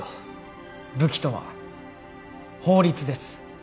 武器とは法律です。